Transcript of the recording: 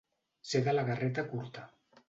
Ser de la garreta curta.